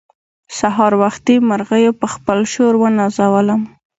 سهار وختي مرغيو په خپل شور ونازولم.